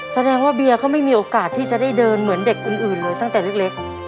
แสดงว่าเบียก็ไม่มีโอกาสที่จะได้เดินเหมือนเด็กอื่นเลยตั้งแต่เล็ก